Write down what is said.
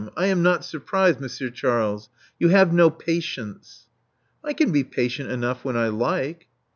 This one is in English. I am not surprised. Monsieur Charles. You have no patience. *' "I can be patient enough when I like."